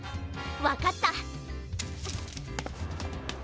わかった。